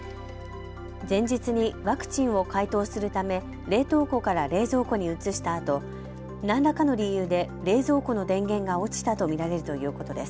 前日にワクチンを解凍するため、冷凍庫から冷蔵庫に移したあと何らかの理由で冷蔵庫の電源が落ちたと見られるということです。